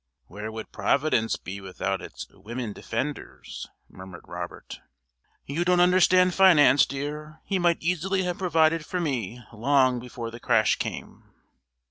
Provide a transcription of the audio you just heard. "Where would Providence be without its women defenders?" murmured Robert. "You don't understand finance, dear. He might easily have provided for me long before the crash came."